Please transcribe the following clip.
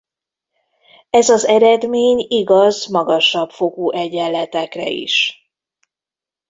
Ez az eredmény igaz magasabb fokú egyenletekre is.